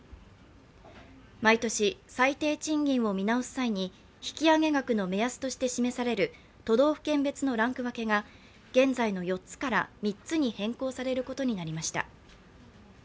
毎年、最低賃金を見直す際に引き上げ額の目安として示される都道府県別のランク分けが現在の４つから３つに変更されることになりました。